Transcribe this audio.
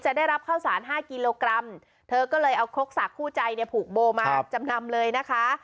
ได้รับข้าวสารห้ากิโลกรัมเธอก็เลยเอาครกสากคู่ใจเนี่ยผูกโบมาจำนำเลยนะคะ